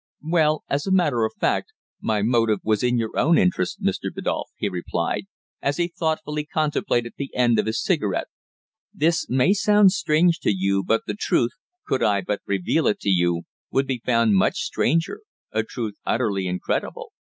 "Well, as a matter of fact, my motive was in your own interests, Mr. Biddulph," he replied, as he thoughtfully contemplated the end of his cigarette. "This may sound strange to you, but the truth, could I but reveal it to you, would be found much stranger a truth utterly incredible."